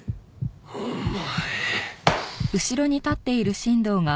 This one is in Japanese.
お前！